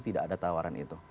tidak ada tawaran itu